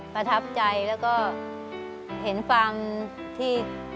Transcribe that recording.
ประทับใจและก็เห็นความที่คุณตั้งใจที่จะช่วยเราเต็มที่เลย